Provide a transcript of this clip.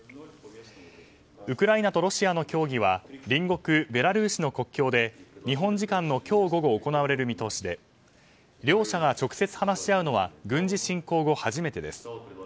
ウクライナとロシアの協議は隣国ベラルーシの国境で日本時間の今日午後行われる見通しで両者が直接話し合うのは軍事侵攻後初めてです。